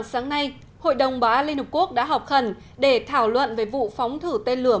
sáng nay hội đồng bảo an liên hợp quốc đã họp khẩn để thảo luận về vụ phóng thử tên lửa